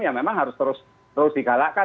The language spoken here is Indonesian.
ya memang harus terus digalakkan